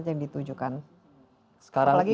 yang ditujukan apalagi